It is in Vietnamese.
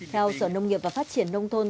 theo sở nông nghiệp và phát triển nông thôn